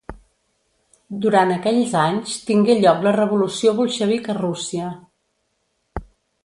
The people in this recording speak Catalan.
Durant aquells anys tingué lloc la revolució bolxevic a Rússia.